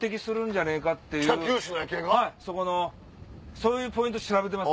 そういうポイント調べてます。